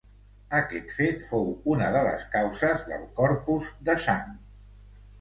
Aquest fet fou una de les causes del Corpus de Sang.